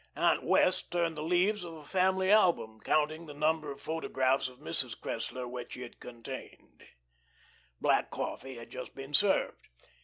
Aunt Wess' turned the leaves of a family album, counting the number of photographs of Mrs. Cressler which it contained. Black coffee had just been served.